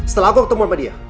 setelah aku ketemu sama dia